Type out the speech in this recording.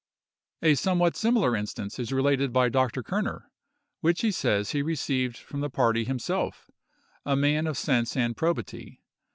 A somewhat similar instance is related by Dr. Kerner, which he says he received from the party himself, a man of sense and probity.